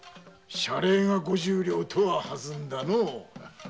謝礼が五十両とははずんだのう。